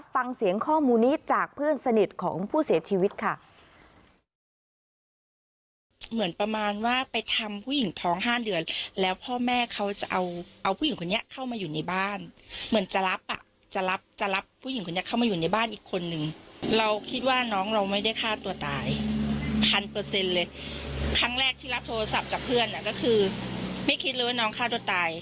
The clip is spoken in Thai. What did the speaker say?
ฟังเสียงข้อมูลนี้จากเพื่อนสนิทของผู้เสียชีวิตค่ะ